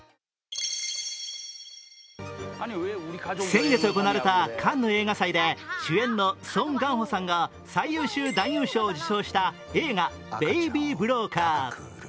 先月行われたカンヌ映画祭で主演のソン・ガンホさんが最優秀男優賞を受賞した映画「ベイビー・ブローカー」。